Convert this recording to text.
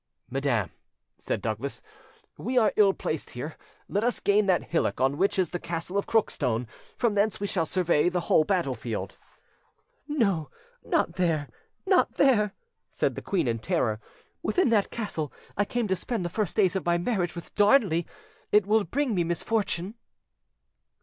"Madam," said Douglas, "we are ill placed here; let us gain that hillock on which is the Castle of Crookstone: from thence we shall survey the whole battlefield." "No, not there! not there!" said the queen in terror: "within that castle I came to spend the first days of my marriage with Darnley; it will bring me misfortune."